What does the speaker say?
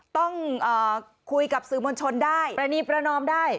ต้องคุยกับสื่อมวลชนได้ประณีประนอมได้